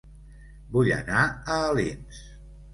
Vull anar a Alins